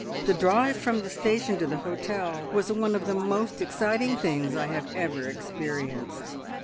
The drive from the station to the hotel was one of the most exciting things I ever experienced.